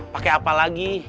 pakai apa lagi